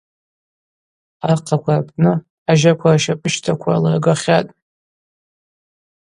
Архъаква рпны ажьаква рщапӏыщтаква лыргахьатӏ.